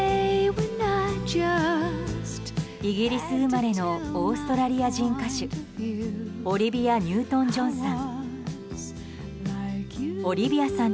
イギリス生まれのオーストラリア人歌手オリビア・ニュートン・ジョンさん。